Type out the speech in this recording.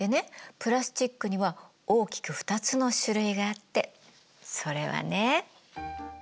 プラスチックには大きく２つの種類があってそれはね